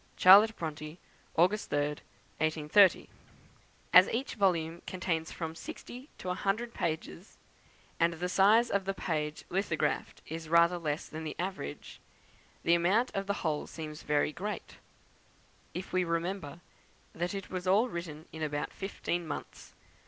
C. BRONTE, August 3, 1830 As each volume contains from sixty to a hundred pages, and the size of the page lithographed is rather less than the average, the amount of the whole seems very great, if we remember that it was all written in about fifteen months.